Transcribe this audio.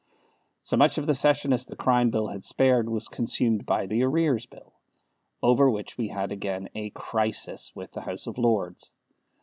So much of the session as the Crime Bill had spared was consumed by the Arrears Bill, over which we had again a "crisis" with the House of Lords.